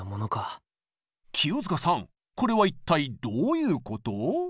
清塚さんこれは一体どういうこと？